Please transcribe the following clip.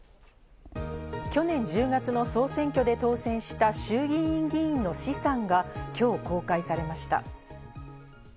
去年１０月の総選挙で当選した衆議院議員の資産が今日、公開されました。